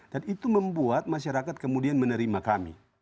dan itu membuat masyarakat kemudian menerima kami